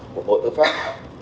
của bộ tư pháp